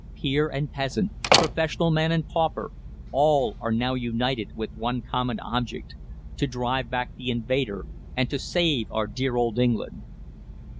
Peer and peasant, professional man and pauper, all are now united with one common object to drive back the invader, and to save our dear old England.